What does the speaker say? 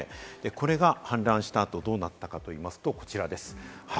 これが氾濫した後、どうなったかといいますと、こちらです。